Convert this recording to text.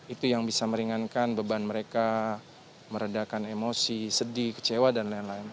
itu yang bisa meringankan beban mereka meredakan emosi sedih kecewa dan lain lain